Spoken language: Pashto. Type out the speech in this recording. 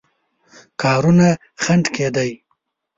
کارونو خنډ کېدی.